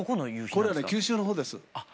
これはね九州の方です。